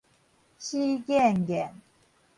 死癮癮